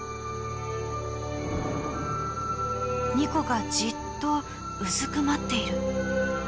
ニコがじっとうずくまっている。